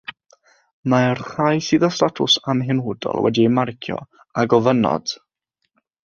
Mae'r rhai sydd â statws amhenodol wedi'u marcio â ?